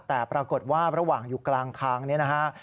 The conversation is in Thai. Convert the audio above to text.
แต่ปรากฏว่าระหว่างอยู่กลางทางนี้นะฮะ